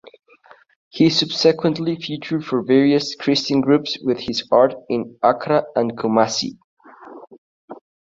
He subsequently featured for various Christian groups with his art in Accra and Kumasi.